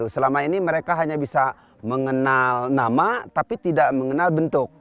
selama ini mereka hanya bisa mengenal nama tapi tidak mengenal bentuk